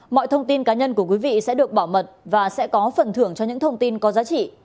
mọi thông tin cá nhân của quý vị sẽ được bảo mật và sẽ có phần thưởng cho những thông tin có giá trị